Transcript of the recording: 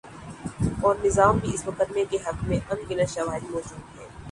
اورنظام بھی اس مقدمے کے حق میں ان گنت شواہد مو جود ہیں۔